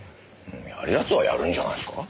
やる奴はやるんじゃないっすか？